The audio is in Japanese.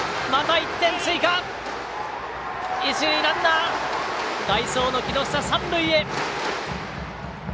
一塁ランナー代走の木下、三塁へ。